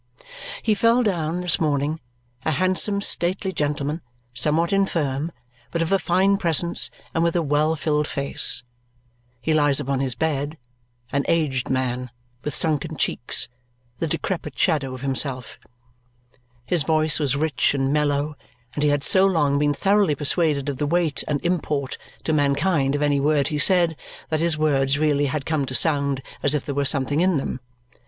He fell down, this morning, a handsome stately gentleman, somewhat infirm, but of a fine presence, and with a well filled face. He lies upon his bed, an aged man with sunken cheeks, the decrepit shadow of himself. His voice was rich and mellow and he had so long been thoroughly persuaded of the weight and import to mankind of any word he said that his words really had come to sound as if there were something in them.